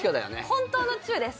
本当のチューです